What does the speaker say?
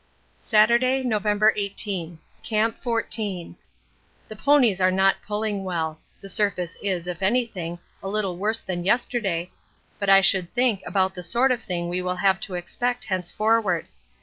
Saturday, November 18. Camp 14. The ponies are not pulling well. The surface is, if anything, a little worse than yesterday, but I should think about the sort of thing we shall have to expect henceforward.